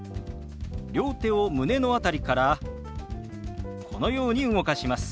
両手を胸の辺りからこのように動かします。